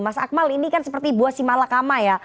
mas akmal ini kan seperti buah si malakama ya